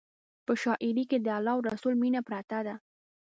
په شاعرۍ کې د الله او رسول مینه پرته ده.